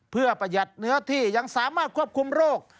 เพื่อประหยัดเนื้อที่ยังสามารถควบคุมโรค